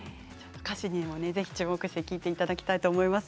歌詞に注目して聴いていただきたいと思います。